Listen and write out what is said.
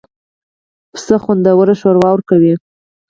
پسه خوندور شوروا ورکوي.